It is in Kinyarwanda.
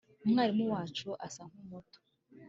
umwarimu wacu asa nkumuto